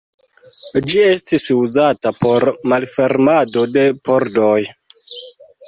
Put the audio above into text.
Ĝi estis uzata por malfermado de pordoj.